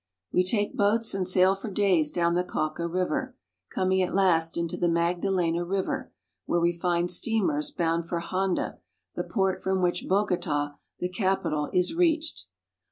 We take boats and sail for days down the Cauca river, coming at last into the Magdalena river, where we find steamers bound for Honda, the port from which Bogota', the capital, is reached.